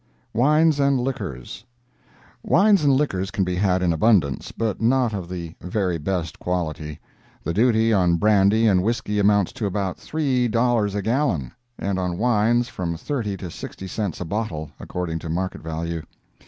] WINES AND LIQUORS Wines and liquors can be had in abundance, but not of the very best quality. The duty on brandy and whisky amounts to about three dollars a gallon, and on wines from thirty to sixty cents a bottle, according to market value.